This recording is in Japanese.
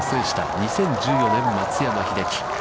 ２０１４年、松山英樹。